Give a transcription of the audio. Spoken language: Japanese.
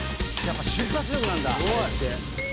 やっぱ瞬発力なんだあれって。